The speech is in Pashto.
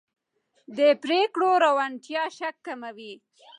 د پرېکړو روڼتیا شک کموي